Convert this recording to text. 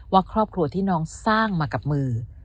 ว่าครอบครัวที่น้องสร้างมากับมือ